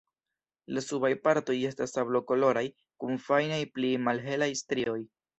La subaj partoj estas sablokoloraj kun fajnaj pli malhelaj strioj.